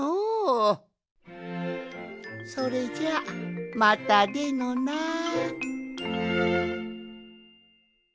それじゃまたでのなあ。